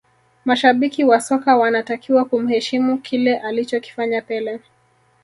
mashabiki wa soka wanatakiwa kumheshimu kile alichokifanya pele